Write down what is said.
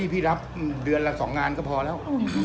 พี่รับเดือนละ๒งานก็พอแล้ว